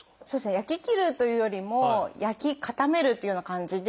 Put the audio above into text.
焼き切るというよりも焼き固めるというような感じで。